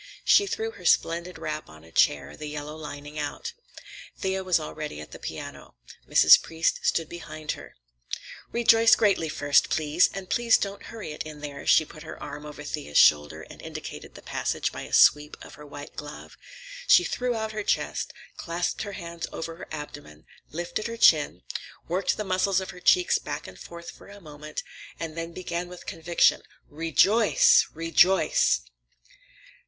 She threw her splendid wrap on a chair, the yellow lining out. Thea was already at the piano. Mrs. Priest stood behind her. "'Rejoice Greatly' first, please. And please don't hurry it in there," she put her arm over Thea's shoulder, and indicated the passage by a sweep of her white glove. She threw out her chest, clasped her hands over her abdomen, lifted her chin, worked the muscles of her cheeks back and forth for a moment, and then began with conviction, "Re jo oice! Re jo oice!"